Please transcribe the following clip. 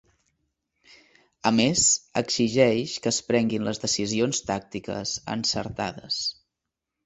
A més, exigeix que es prenguin les decisions tàctiques ‘encertades’.